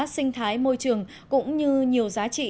sinh thái môi trường cũng như nhiều giá trị